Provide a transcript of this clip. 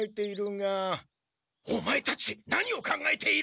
オマエたち何を考えている！？